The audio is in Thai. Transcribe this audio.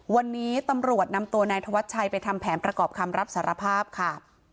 วันนี้ตำรวจนำตัวนายธวัชชัยไปทำแผนประกอบคำรับสารภาพค่ะ